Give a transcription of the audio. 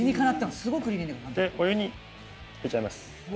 すごくお湯に入れちゃいます